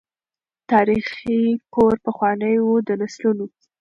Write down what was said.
تاریخي کور پخوانی وو د نسلونو